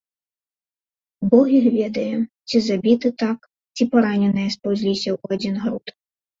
Бог іх ведае, ці забіты так, ці параненыя спаўзліся ў адзін груд.